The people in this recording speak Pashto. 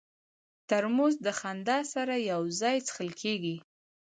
ترموز د خندا سره یو ځای څښل کېږي.